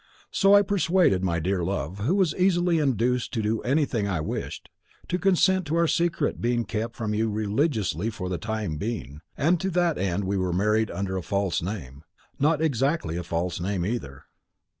So I persuaded my dear love, who was easily induced to do anything I wished, to consent to our secret being kept from you religiously for the time being, and to that end we were married under a false name not exactly a false name either.